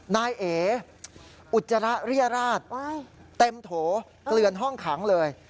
นายเอออุจจาระเรียราชเต็มโถเกลือนห้องขังเลย